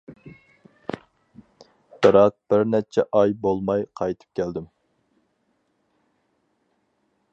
بىراق بىر نەچچە ئاي بولماي قايتىپ كەلدى.